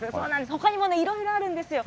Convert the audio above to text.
ほかにもいろいろあるんですよ。